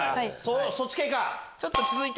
そっち系か！